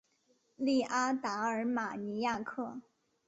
利阿达尔马尼亚克。